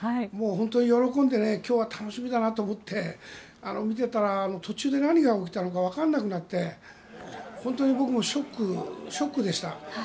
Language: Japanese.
本当に喜んで今日は楽しみだなと思って見てたら途中で何が起きたのかわからなくなって僕もショックでした。